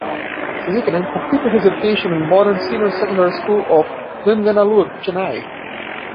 Sasikiran completed his education in the Modern Senior Secondary School of Nanganallur, Chennai.